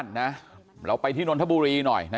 นางมอนก็บอกว่า